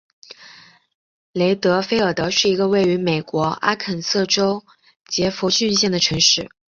雷德菲尔德是一个位于美国阿肯色州杰佛逊县的城市。